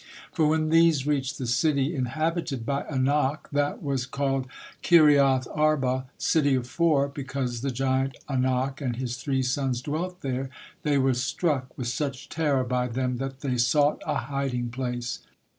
For when these reached the city inhabited by Anak, that was called Kiriath Arba, "City of Four," because the giant Anak and his three sons dwelt there, they were struck with such terror by them that they sought a hiding place.